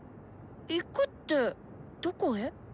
行くってどこへ？